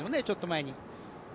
ちょっと前に。